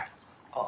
ああ。